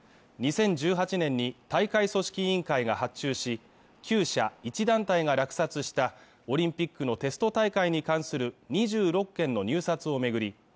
２０１８年に大会組織委員会が発注し９社１団体が落札したオリンピックのテスト大会に関する２６件の入札を巡り